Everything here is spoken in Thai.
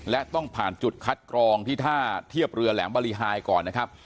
และต้องผ่านจุดคัดกรองที่ท่าเทียบเรือแหลมบริหายก่อนนะครับ